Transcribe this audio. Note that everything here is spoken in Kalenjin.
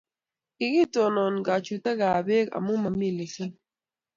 kikitonon kachutekab beek amu mamito lesenit.